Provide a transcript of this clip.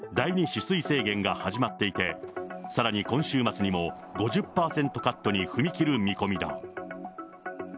取水制限が始まっていて、さらに今週末にも５０％カットに踏み切る見込みだ。